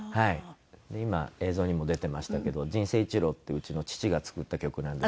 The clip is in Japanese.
今映像にも出てましたけど『人生一路』ってうちの父が作った曲なんですけど。